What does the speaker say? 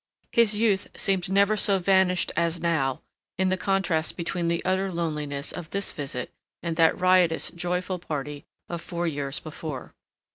His youth seemed never so vanished as now in the contrast between the utter loneliness of this visit and that riotous, joyful party of four years before.